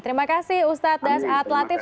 terima kasih ustadz das aad latif